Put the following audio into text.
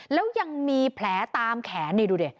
แล้วยังมีแผลตามแขนนี่ดูดิ